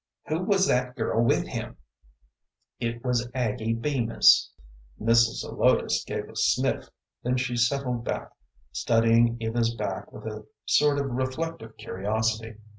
"Who was that girl with him?" "It was Aggie Bemis." Mrs. Zelotes gave a sniff, then she settled back, studying Eva's back with a sort of reflective curiosity.